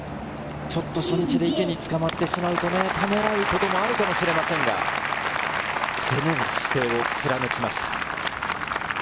初日で池に捕まってしまうと、ためらうこともあるかもしれませんが、攻める姿勢を貫きました。